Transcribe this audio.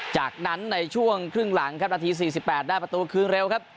จากนั้นในช่วงครึ่งหลังครับนาที๔๘ได้ประตูคืนเร็วครับ